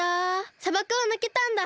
さばくをぬけたんだ。